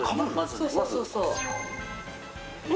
そうそうそうそう！